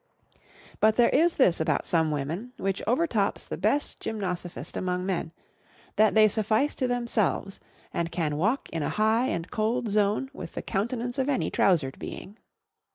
But there is this about some women, which overtops the best gymnosophist among men, that they suffice to themselves, and can walk in a high and cold zone without the countenance of any trousered being.